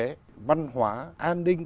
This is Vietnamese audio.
chính trị văn hóa an ninh